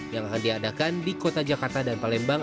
yang akan diadakan di kota jakarta dan palembang